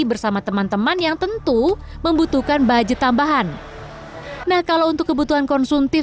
bersama teman teman yang tentu membutuhkan budget tambahan nah kalau untuk kebutuhan konsumtif